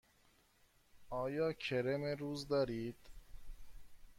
آیا کرم روز دارید؟